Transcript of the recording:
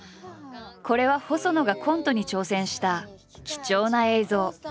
これは細野がコントに挑戦した貴重な映像。